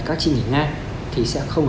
làm nộp chứng minh thư gốc hả nhờ